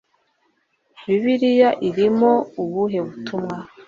bibiliya irimo ubuhe butumwa ‽